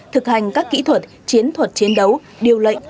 thực hành các kỹ thuật chiến thuật chiến đấu điều lệnh